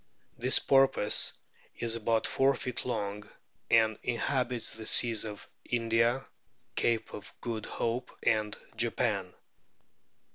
This porpoise is about four feet long, and inhabits the seas of India, Cape of Good Hope, and Japan.